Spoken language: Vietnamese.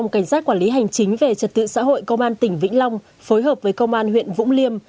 cảnh sát quản lý hành chính về trật tự xã hội công an tỉnh vĩnh long phối hợp với công an huyện vũng liêm